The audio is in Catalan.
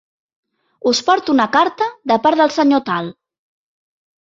Us porto una carta de part del senyor Tal.